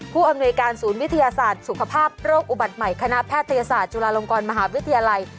ผู้อำนวยการศูนย์วิทยาศาสตร์สุขภาพโรคอุบัติใหม่คณะแพทยศาสตร์จุฬาลงกรมหาวิทยาลัย